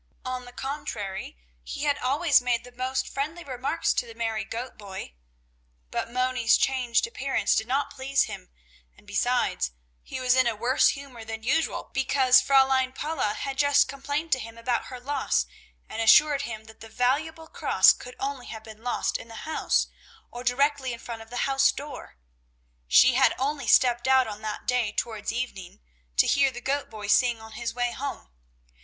On the contrary he had always made the most friendly remarks to the merry goat boy. But Moni's changed appearance did not please him, and besides he was in a worse humor than usual because Fräulein Paula had just complained to him about her loss and assured him that the valuable cross could only have been lost in the house or directly in front of the house door. She had only stepped out on that day towards evening, to hear the goat boy sing on his way home.